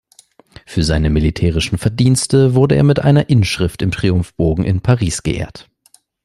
Für seine militärischen Verdienste wurde er mit einer Inschrift im Triumphbogen in Paris geehrt.